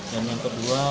dan yang kedua